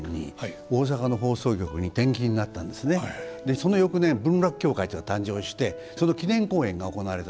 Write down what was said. その翌年文楽協会というのが誕生してその記念公演が行われた。